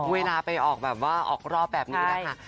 เวลาไปออกแบบว่าออกรอบแบบนี้นะคะ